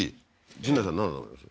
陣内さんなんだと思います？